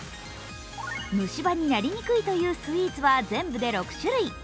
虫歯になりにくいというスイーツは全部で６種類。